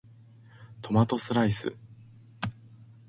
トマトスライス